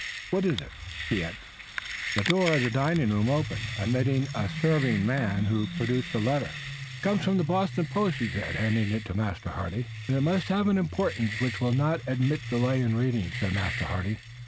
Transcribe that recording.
What is it, Piet?" The door of the dining room opened, admitting a serving man who produced a letter. "It comes by the Boston post," he said, handing it to Master Hardy. "Then it must have an importance which will not admit delay in the reading," said Master Hardy.